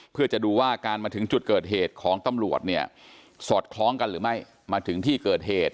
เพื่อจะดูว่าการมาถึงจุดเกิดเหตุของตำรวจเนี่ยสอดคล้องกันหรือไม่มาถึงที่เกิดเหตุ